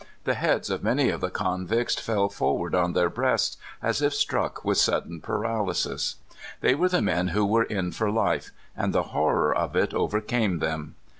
The heads of many of the convicts fell forward on their breasts, as if struck with sudden paralysis. They were the men who were in for life, and the horror of it overcame them.